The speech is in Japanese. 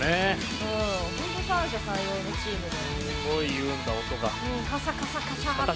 本当、三者三様のチームで。